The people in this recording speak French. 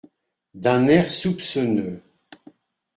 D’un air soupçonneux.